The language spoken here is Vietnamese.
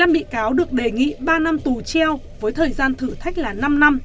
năm bị cáo được đề nghị ba năm tù treo với thời gian thử thách là năm năm